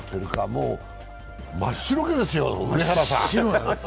もう真っ白けですよ、上原さん。